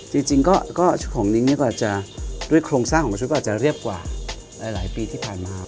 จริงก็ของนิ้งนี่ก็จะด้วยโครงสร้างของประชุดก็อาจจะเรียบกว่าหลายปีที่ผ่านมา